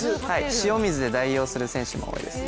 塩水で代用する選手もいます。